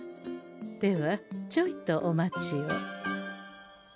ではちょいとお待ちを。